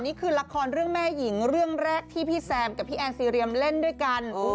นี่คือละครเรื่องแม่หญิงเรื่องแรกที่พี่แซมกับพี่แอนซีเรียมเล่นด้วยกัน